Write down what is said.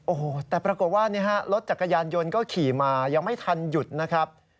โอ้โหแต่ปรากฏว่ารถจักรยานยนต์ก็ขี่มายังไม่ทันหยุดนะครับ